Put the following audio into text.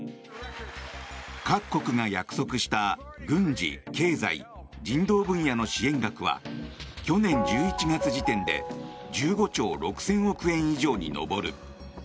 各国が約束した軍事、経済、人道分野の支援額は去年１１月時点で１５兆６０００億円以上に上る。